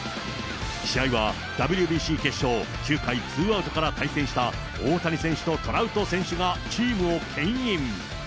試合はＷＢＣ決勝、９回ツーアウトから対戦した、大谷選手とトラウト選手がチームをけん引。